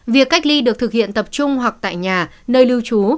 việc cách ly được thực hiện tập trung hoặc tại nhà nơi lưu trú